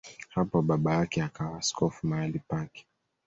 Hapo baba yake akawa askofu mahali pake.